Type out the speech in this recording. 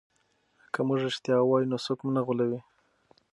که موږ رښتیا ووایو نو څوک مو نه غولوي.